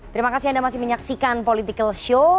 terima kasih anda masih menyaksikan politikalshow